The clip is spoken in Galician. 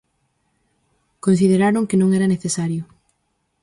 Consideraron que non era necesario.